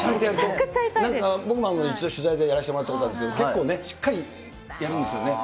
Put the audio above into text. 僕も一度、取材でやらせてもらったことあるんですけど、結構ね、しっかりやるんですよね。